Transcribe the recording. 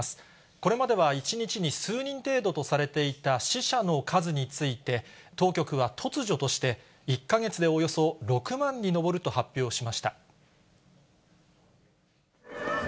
これまでは１日に数人程度とされていた死者の数について、当局は突如として、１か月でおよそ６万に上ると発表しました。